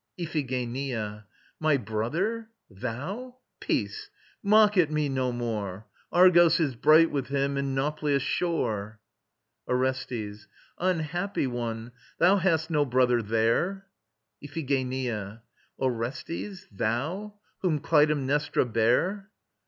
IPHIGENIA. My brother? Thou? ... Peace! Mock at me no more. Argos is bright with him and Nauplia's shore. ORESTES. Unhappy one! Thou hast no brother there. IPHIGENIA. Orestes ... thou? Whom Clytemnestra bare?